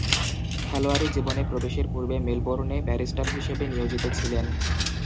খেলোয়াড়ী জীবনে প্রবেশের পূর্বে মেলবোর্নে ব্যারিস্টার হিসেবে নিয়োজিত ছিলেন।